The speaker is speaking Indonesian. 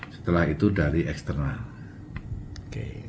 setelah itu dari eksternalnya